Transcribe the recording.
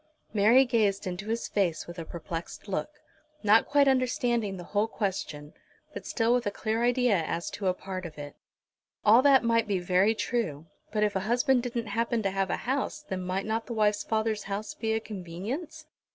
Mary gazed into his face with a perplexed look, not quite understanding the whole question, but still with a clear idea as to a part of it. All that might be very true, but if a husband didn't happen to have a house then might not the wife's father's house be a convenience?